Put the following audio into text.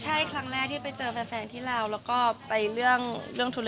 ใช่ครั้งแรกที่ไปเจอแฟนที่เราแล้วก็ไปเรื่องธุรกิจอะไรอย่างนี้ค่ะ